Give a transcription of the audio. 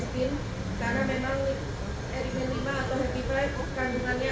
direktur jenderal pia dan jokai